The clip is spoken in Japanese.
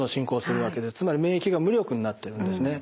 つまり免疫が無力になっているんですね。